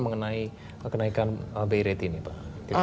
mengenai kenaikan birib ini pak